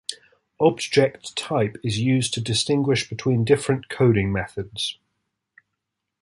Object Type is used to distinguish between different coding methods.